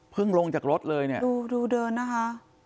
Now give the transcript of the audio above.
เพิ่งลงจากรถเลยเนี่ยดูเดินนะฮะ